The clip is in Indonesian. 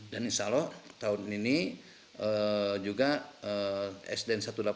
dan insya allah tahun ini juga sdn satu ratus delapan puluh lima cihurgulis akan menjadi smp enam puluh tiga kira kira